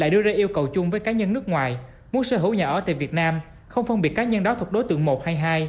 đưa ra yêu cầu chung với cá nhân nước ngoài muốn sở hữu nhà ở tại việt nam không phân biệt cá nhân đó thuộc đối tượng một hay hai